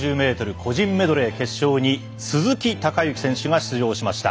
個人メドレー決勝に鈴木孝幸選手が出場しました。